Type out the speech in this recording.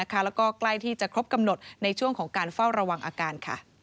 แล้วก็ใกล้ที่จะครบกำหนดในช่วงของการเฝ้าระวังอาการ